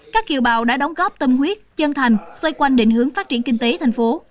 các kiều bào đã đóng góp tâm huyết chân thành xoay quanh định hướng phát triển kinh tế thành phố